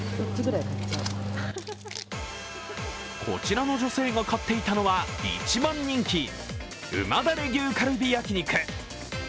こちらの女性が買っていたのは一番人気、旨だれ牛カルビ焼肉。